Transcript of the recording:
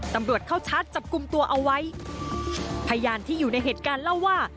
ตำรวจเข้าชาร์จจับกลุ่มตัวเอาไว้พยานที่อยู่ในเหตุการณ์เล่าว่า